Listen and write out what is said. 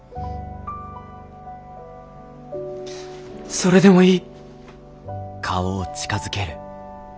それでもいい。